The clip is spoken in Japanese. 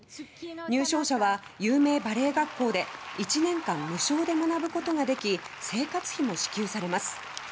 入賞者は有名バレエ学校で１年間無償で学ぶことができ生活費も支給されます。